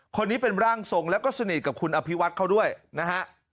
คนนี้เป็นร่างทรงแล้วก็สนิทกับคุณอภิวัตเขาด้วยนะฮะ